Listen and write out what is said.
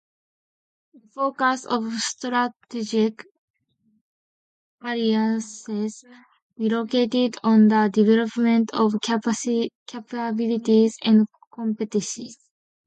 The focus of strategic alliances relocated on the development of capabilities and competencies.